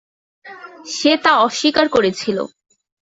সে তা অস্বীকার করেছিল।